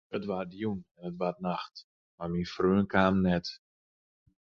It waard jûn en it waard nacht, mar myn freon kaam net.